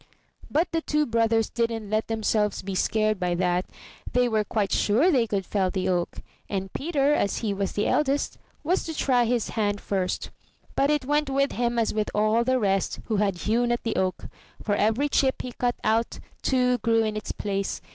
But the two brothers didn't let themselves be scared by that; they were quite sure they could fell the oak, and Peter, as he was eldest, was to try his hand first; but it went with him as with all the rest who had hewn at the oak; for every chip he cut out, two grew in its place.